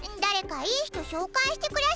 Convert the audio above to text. いい人紹介してくりゃさ